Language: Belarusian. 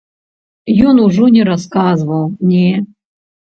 Ён ужо не расказваў, не.